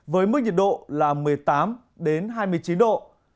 với mức nhiệt độ là một mươi tám hai mươi chín độ